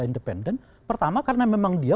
independen pertama karena memang dia